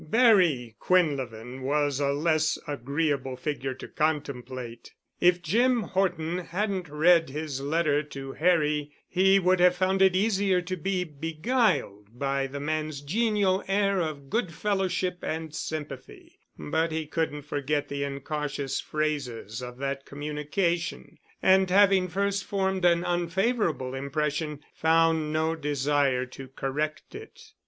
Barry Quinlevin was a less agreeable figure to contemplate. If Jim Horton hadn't read his letter to Harry he would have found it easier to be beguiled by the man's genial air of good fellowship and sympathy, but he couldn't forget the incautious phrases of that communication, and having first formed an unfavorable impression, found no desire to correct it.